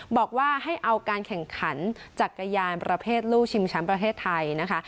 บอกว่าให้เอาการแข่งขันจักรยานประเภทลูกชิงแชมป์ประเทศไทยนะคะ